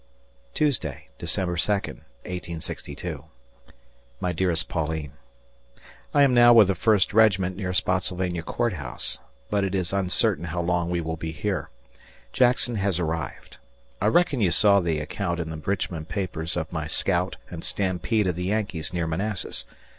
Tuesday, December 2nd, '62. My dearest Pauline: I am now with the 1st regiment near Spottsylvania Court House, but it is uncertain how long we will be here. Jackson has arrived. I reckon you saw the account in the Richmond papers of my scout and stampede of the Yankees near Manassas.